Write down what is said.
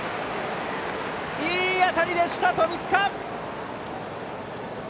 いい当たりでした、富塚！